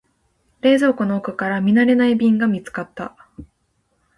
冷蔵庫の奥から見慣れない瓶が見つかった。